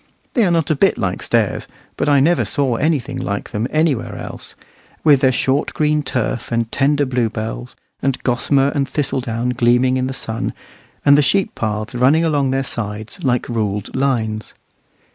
They are not a bit like stairs, but I never saw anything like them anywhere else, with their short green turf, and tender bluebells, and gossamer and thistle down gleaming in the sun and the sheep paths running along their sides like ruled lines.